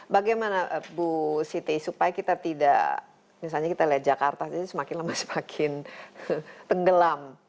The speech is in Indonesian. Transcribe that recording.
bagaimana bu siti supaya kita tidak misalnya kita lihat jakarta semakin lama semakin tenggelam